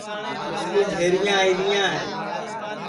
مِسکُو جھریاں آئیریاں ہے